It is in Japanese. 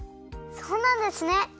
そうなんですね！